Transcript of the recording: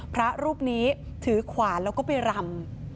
พระรูปนี้ถือขวานแล้วก็ไปรำ